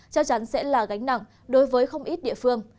chắc chắn sẽ là gánh nặng đối với không ít địa phương